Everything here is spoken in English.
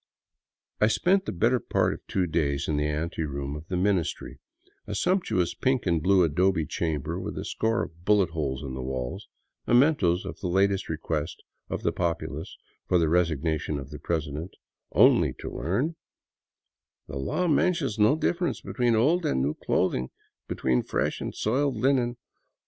I spent the better part of two days in the anteroom of the Ministry, a sumptuous pink and blue adobe chamber with a score of bullet holes in the walls — mementoes of the latest request of the populace for the resignation of the president — only to learn: '' The law mentions no difference between old and new clothing ; be tween fresh and soiled linen.